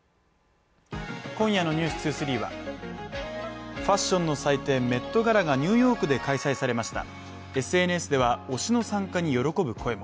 今夜の「ｎｅｗｓ２３」はファッションの祭典、メットガラがニューヨークで開催されました。